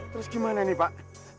terus gimana pak